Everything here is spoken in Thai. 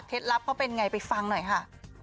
ลับเขาเป็นไงไปฟังหน่อยค่ะ